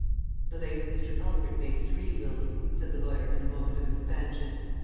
"The late Mr. Alfred made three wills," said the lawyer in a moment of expansion.